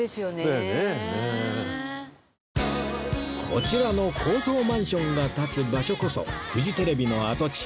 こちらの高層マンションが立つ場所こそフジテレビの跡地